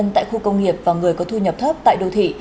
tại khu công nghiệp và người có thu nhập thấp tại đô thị